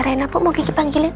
reina bu mau kiki panggilin